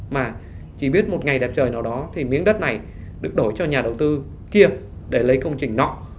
mà chỉ biết một ngày đẹp trời nào đó thì miếng đất này được đổi cho nhà đầu tư kia để lấy công trình nọ